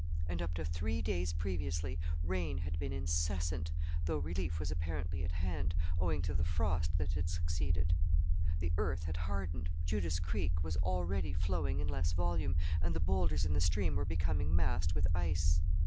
And up to three days previously rain had been incessant, though relief was apparently at hand, owing to the frost that had succeeded. The earth had hardened; Judas Creek was already flowing in less volume, and the boulders in the stream were becoming massed with ice.